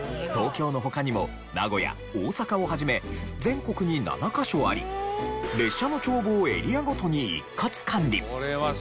東京の他にも名古屋大阪を始め全国に７カ所あり列車の帳簿をエリアごとに一括管理。